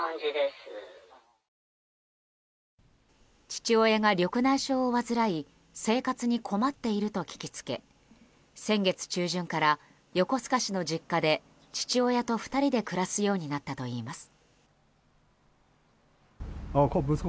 父親が緑内障を患い生活に困っていると聞きつけ先月中旬から横須賀市の実家で父親と２人で暮らすようになったといいます。